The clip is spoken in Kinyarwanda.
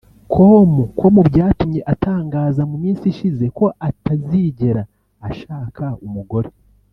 com ko mu byatumye atangaza mu minsi ishize ko atazigera ashaka umugore